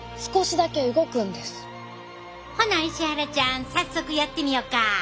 ほな石原ちゃん早速やってみようか。